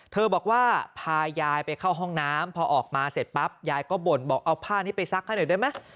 บอกว่าพายายไปเข้าห้องน้ำพอออกมาเสร็จปั๊บยายก็บ่นบอกเอาผ้านี้ไปซักให้หน่อยได้ไหม